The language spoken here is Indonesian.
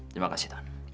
terima kasih ton